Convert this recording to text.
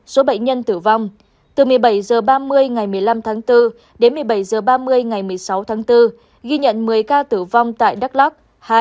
số bệnh nhân tử vong từ một mươi bảy h ba mươi ngày một mươi năm tháng bốn đến một mươi bảy h ba mươi ngày một mươi sáu tháng bốn ghi nhận một mươi ca tử vong tại đắk lắc